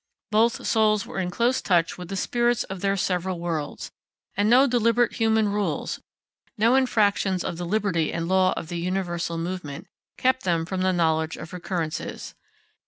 Both souls were in close touch with the spirits of their several worlds, and no deliberate human rules, no infractions of the liberty and law of the universal movement, kept from them the knowledge of recurrences.